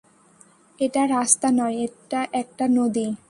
এটা রাস্তা নয়, এটা একটা নদী।